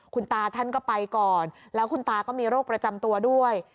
คุณตาท่านก็ไปก่อนแล้วคุณตาก็มีโรคประจำตัวด้วย